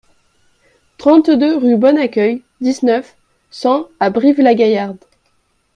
trente-deux rue Bon Accueil, dix-neuf, cent à Brive-la-Gaillarde